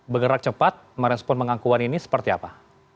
bergerak cepat merespon pengakuan ini seperti apa